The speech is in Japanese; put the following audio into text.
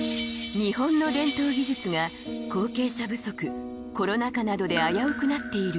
日本の伝統技術が後継者不足コロナ禍などで危うくなっている